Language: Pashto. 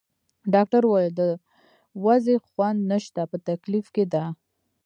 ډاکټر وویل: د وضعې خوند نشته، په تکلیف کې ده.